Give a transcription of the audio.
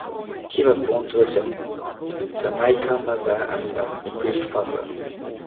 He was born to a Jamaican mother and an English father.